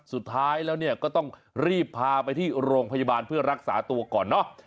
สุดท้ายแล้วเนี่ยก็ต้องรีบพาไปที่โรงพยาบาลเพื่อรักษาตัวก่อนเนอะ